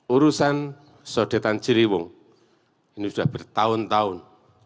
urusan sodetan ciliwung ini sudah bertahun tahun